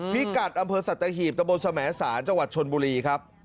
พิกัดอำเภอสัตหีบตะบนสมสารจังหวัดชนบุรีครับ